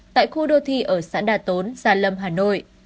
tại khu đô thi ở sãn đà tốn già lâm hà nội